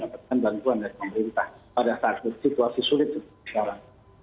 mendapatkan bantuan dari pemerintah pada saat situasi sulit sekarang